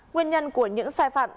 nguyên nhân của những sai phạm